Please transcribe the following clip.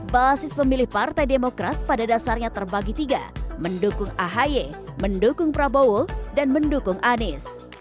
basis pemilih partai demokrat pada dasarnya terbagi tiga mendukung ahy mendukung prabowo dan mendukung anies